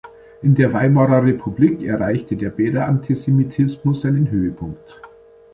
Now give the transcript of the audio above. In der Weimarer Republik erreichte der "Bäder-Antisemitismus" seinen Höhepunkt.